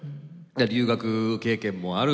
留学経験もある